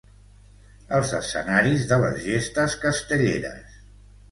Els escenaris de les gestes castelleres.